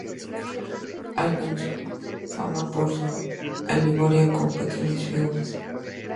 Alcanzó fama por sus alegorías con pequeñas figuras.